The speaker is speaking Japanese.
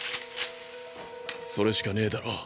それしかねぇだろ？